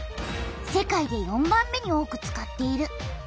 世界で４番目に多く使っている。